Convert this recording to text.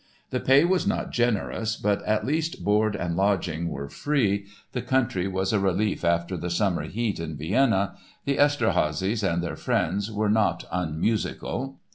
The pay was not generous but at least board and lodging were free, the country was a relief after the summer heat in Vienna, the Esterházys and their friends were not unmusical.